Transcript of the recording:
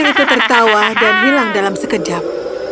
pria kecil itu tertawa dan hilang dalam sekejap